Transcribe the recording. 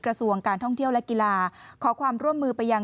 กระทรวงการท่องเที่ยวและกีฬาขอความร่วมมือไปยัง